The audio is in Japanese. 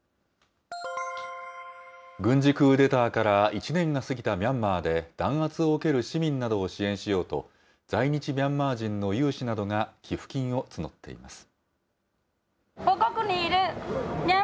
軍事クーデターから１年が過ぎたミャンマーで、弾圧を受ける市民などを支援しようと、在日ミャンマー人の有志などが寄付金を募っています。